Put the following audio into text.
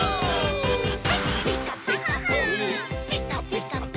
「ピカピカブ！ピカピカブ！」